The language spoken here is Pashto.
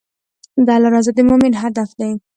د الله رضا د مؤمن هدف دی.